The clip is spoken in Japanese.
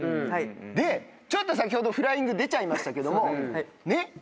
でちょっと先ほどフライング出ちゃいましたけどもねっ。